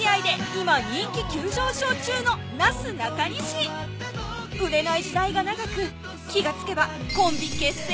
今人気急上昇中のなすなかにし売れない時代が長く気がつけばコンビ結成